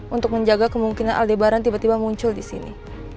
untuk menjaga kemungkinan aldebaran tiba tiba muncul di sini